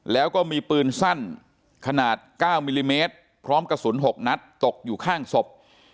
แล้วก็มีปืนสั้นขนาด๙มิลลิเมตรพร้อมกระสุน๖นัดตกอยู่ข้างศพ